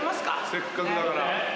せっかくだから。